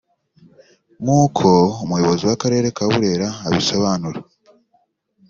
nk’uko umuyobozi w’akarere ka Burera abisobanura